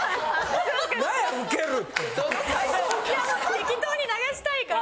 適当に流したいから。